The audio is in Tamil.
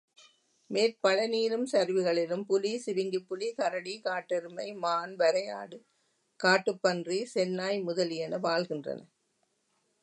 மேற்பழனியிலும், சரிவுகளிலும் புலி, சிவிங்கிப் புலி, கரடி, காட்டெருமை, மான், வரையாடு, காட்டுப்பன்றி, செந்நாய் முதலியன வாழ்கின்றன.